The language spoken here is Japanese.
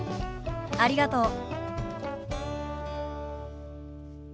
ありがとう。